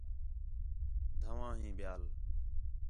دَھواں ہیں بِیال